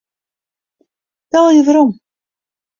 Belje werom.